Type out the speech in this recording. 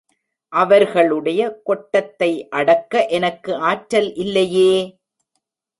அவர்களுடைய கொட்டத்தை அடக்க எனக்கு ஆற்றல் இல்லையே!